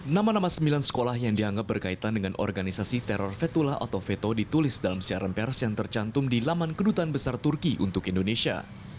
nama nama sembilan sekolah yang dianggap berkaitan dengan organisasi teror fetula atau veto ditulis dalam siaran pers yang tercantum di laman kedutaan besar turki untuk indonesia